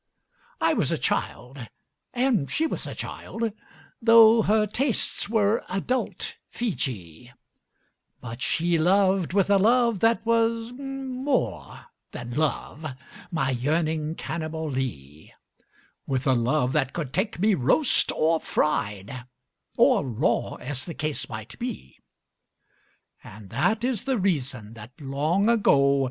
I was a child, and she was a child — Tho' her tastes were adult Feejee — But she loved with a love that was more than love, My yearning Cannibalee; With a love that could take me roast or fried Or raw, as the case might be. And that is the reason that long ago.